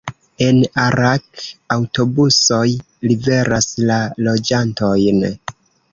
En Arak aŭtobusoj liveras la loĝantojn.